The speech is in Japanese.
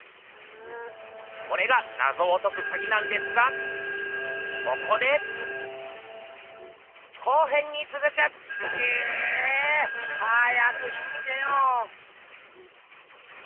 これがナゾを解くカギなんですがここでえ！早く言ってよ！